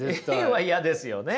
Ａは嫌ですよね。